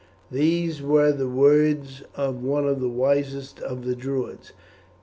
These were the words of one of the wisest of the Druids.